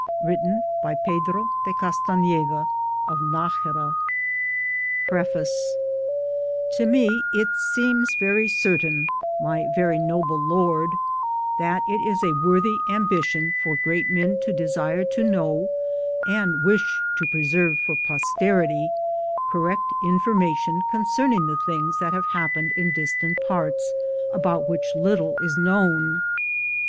Written by Ptdro de Gattaneda, o/Najera. am Google d« Google PREFACE To me it seems vory certain, my very noble lord, that it is a worthy ambition for great men to desire to know and wish to preserve for posterity correct information concerning the things that have happened in distant parts, about which little is known.